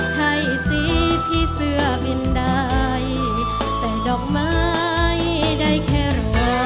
ใช่สิพี่เสื้อบินได้แต่ดอกไม้ได้แค่รอ